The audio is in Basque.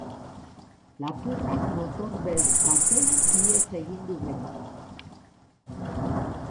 Lapurrak motor beltz batean ihes egin du gero.